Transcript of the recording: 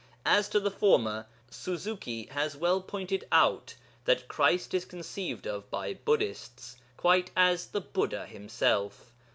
As to the former, Suzuki has well pointed out that Christ is conceived of by Buddhists quite as the Buddha himself.